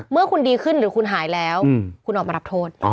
เมื่อคุณดีขึ้นหรือคุณหายแล้วคุณออกมารับโทษ